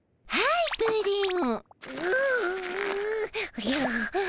おじゃ。